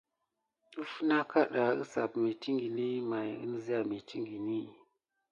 Def nɑŋ kaɗɑ əsap mettingən may ma iŋzinŋ mettingeni.